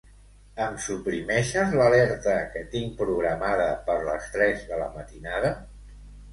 Em suprimeixes l'alerta que tinc programada per les tres de la matinada?